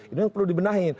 ini yang perlu dibenahi